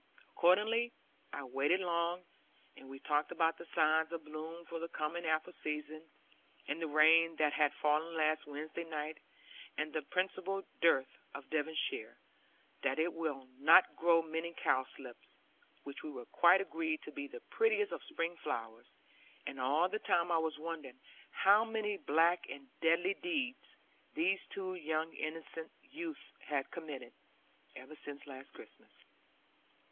Accordingly, I waited long, and we talked about the signs of bloom for the coming apple season, and the rain that had fallen last Wednesday night, and the principal dearth of Devonshire, that it will not grow many cowslips which we quite agreed to be the prettiest of spring flowers; and all the time I was wondering how many black and deadly deeds these two innocent youths had committed, even since last Christmas.